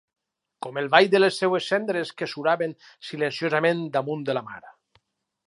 Com el ball de les seues cendres que suraven silenciosament damunt de la mar.